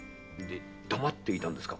黙っていたんですか？